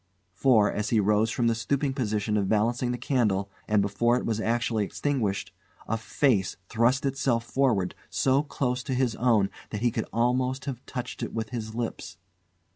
For, as he rose from the stooping position of balancing the candle, and before it was actually extinguished, a face thrust itself forward so close to his own that he could almost have touched it with his lips.